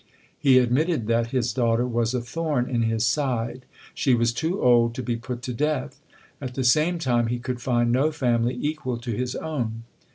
He admitted that his daughter was a thorn in his side. She was too old to be put to death. 2 At the same time he could find no family equal to his own.